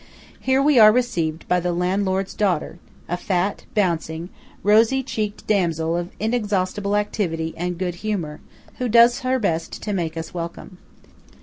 Here we are received by the landlord's daughter, a fat, bouncing, rosy cheeked damsel of inexhaustible activity and good humour, who does her best to make us welcome.